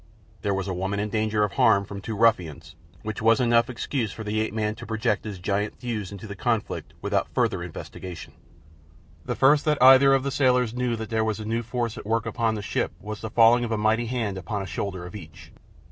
There was a woman in danger of harm from two ruffians, which was enough excuse for the ape man to project his giant thews into the conflict without further investigation. The first that either of the sailors knew that there was a new force at work upon the ship was the falling of a mighty hand upon a shoulder of each.